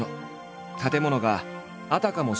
建物があたかも